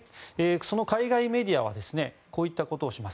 その海外メディアはこういったことをします。